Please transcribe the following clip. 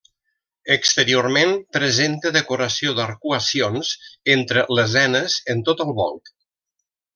Exteriorment presenta decoració d'arcuacions entre lesenes en tot el volt.